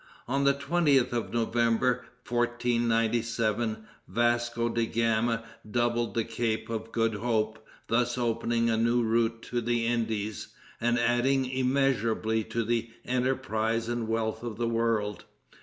On the 20th of November, 1497, Vasco de Gama doubled the Cape of Good Hope, thus opening a new route to the Indies, and adding immeasurably to the enterprise and wealth of the world.